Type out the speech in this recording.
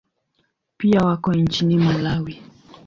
Pia wako nchini Malawi.